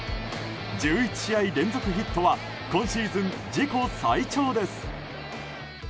１１試合連続ヒットは今シーズン自己最長です。